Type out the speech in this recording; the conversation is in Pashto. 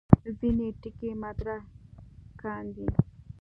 ځینې ټکي مطرح کاندي.